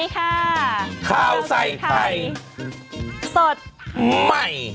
ใหม่